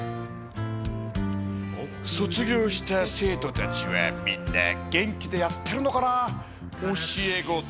卒業した生徒たちはみんな元気でやってるのかなあ。